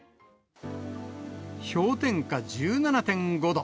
氷点下１７．５度。